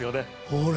ほら。